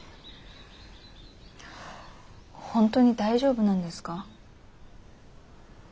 本当に大丈夫なんですか？